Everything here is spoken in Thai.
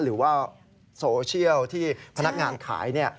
หรือว่าโซเชียลที่พนักงานขาย